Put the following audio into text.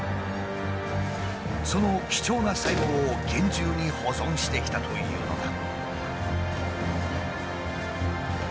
その貴重な細胞を厳重に保存してきたというのだ。